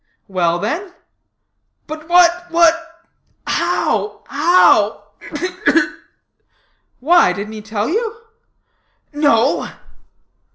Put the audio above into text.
"Well, then?" "But what, what how, how ugh, ugh!" "Why, didn't he tell you?" "No."